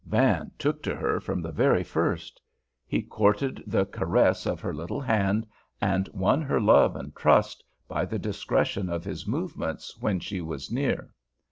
Van "took to her" from the very first. He courted the caress of her little hand, and won her love and trust by the discretion of his movements when she was near.